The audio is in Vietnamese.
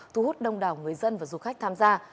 thu hút đông đảo người dân và du khách tham gia